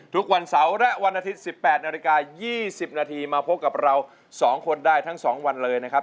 ทุกวันเสาร์และวันอาทิตย์๑๘นาฬิกา๒๐นาทีมาพบกับเรา๒คนได้ทั้ง๒วันเลยนะครับ